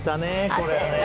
これはね。